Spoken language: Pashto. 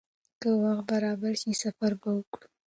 که وخت برابر شي، سفر به وکړو.